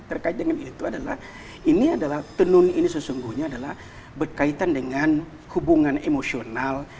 terkait dengan itu adalah ini adalah tenun ini sesungguhnya adalah berkaitan dengan hubungan emosional